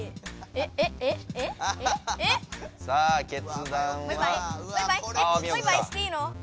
えバイバイしていいの？